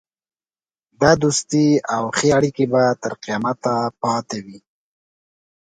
دا دوستي او ښې اړېکې به تر قیامته پاته وي.